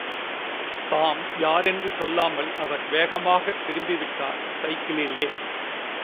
தாம் யாரென்று சொல்லாமல், அவர் வேகமாகத் திரும்பிவிட்டார், சைக்கிளிலே!